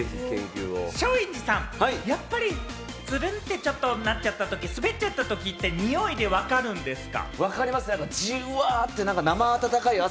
松陰寺さん、やっぱりツルンってなっちゃったとき、スベッちゃったときって、においで分かるんですか？